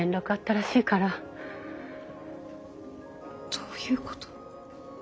どういうこと？